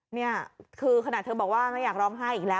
นี่คือขนาดเธอบอกว่าไม่อยากร้องไห้อีกแล้ว